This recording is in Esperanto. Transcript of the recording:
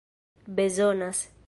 bezonas